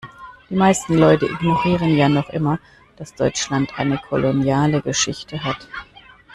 Die meisten Leute ignorieren ja noch immer, dass Deutschland eine koloniale Geschichte hat.